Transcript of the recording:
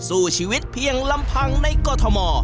สู้ชีวิตเพียงลำพังในกรทม